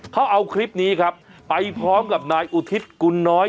เขาเอาคลิปนี้ครับไปพร้อมกับนายอุทิศกุลน้อย